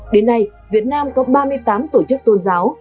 đến nay việt nam có ba mươi tám tổ chức tôn giáo